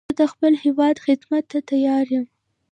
زه د خپل هېواد خدمت ته تیار یم